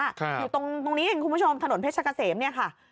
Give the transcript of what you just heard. ใช่อยู่ตรงนี้สิครับคุณผู้ชมถนนเพชรกาเสมนี่ค่ะ